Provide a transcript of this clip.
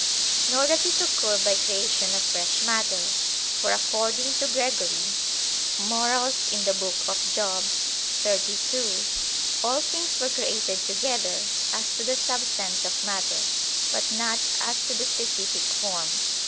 Nor does it occur by creation of fresh matter: for, according to Gregory (Moral. xxxii): "All things were created together as to the substance of matter, but not as to the specific form."